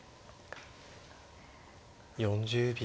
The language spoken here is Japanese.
４０秒。